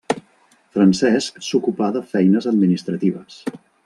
Francesc s'ocupà de feines administratives.